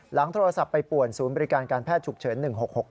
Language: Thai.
โทรศัพท์ไปป่วนศูนย์บริการการแพทย์ฉุกเฉิน๑๖๖๙